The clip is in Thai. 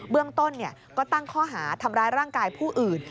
เรื่องต้นก็ตั้งข้อหาทำร้ายร่างกายผู้อื่น